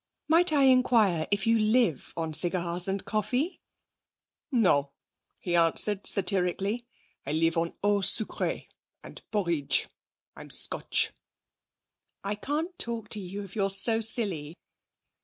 'Might I inquire if you live on cigars and coffee?' 'No,' he answered satirically; 'I live on eau sucré. And porreege. I'm Scotch.' 'I can't talk to you if you're so silly.'